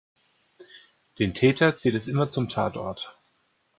Den Täter zieht es immer zum Tatort.